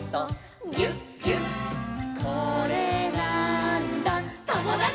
「これなーんだ『ともだち！』」